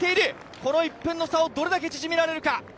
この１分の差をどれだけ縮められるか。